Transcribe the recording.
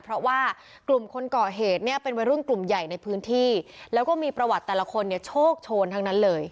เพราะว่ากลุ่มคนก่อเหตุเนี่ยเป็นวัยรุ่นกลุ่มใหญ่ในพื้นที่แล้วก็มีประวัติแต่ละคนเนี่ยโชคโชนทั้งนั้นเลย